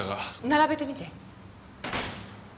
並べてみて。